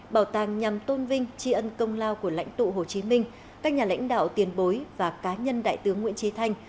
bảo tàng nhằm tôn vinh tri ân công lao của lãnh tụ hồ chí minh các nhà lãnh đạo tiền bối và cá nhân đại tướng nguyễn trí thanh